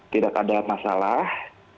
tidak ada masalah